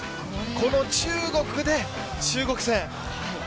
この中国で、中国戦。